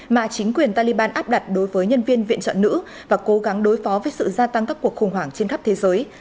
mà chính quyền taliban áp đặt đối với nhân viên viện chọn nữ và cố gắng đối phó với sự gia tăng các cuộc khủng hoảng trên khắp thế giới